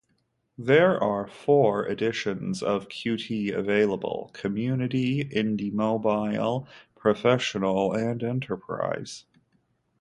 There are four editions of Qt available: "Community", "Indie Mobile", "Professional" and "Enterprise".